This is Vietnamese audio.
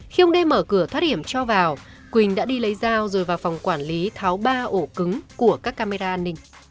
khi ông đem mở cửa thoát hiểm cho vào quỳnh đã đi lấy dao rồi vào phòng quản lý tháo ba ổ cứng của các camera an ninh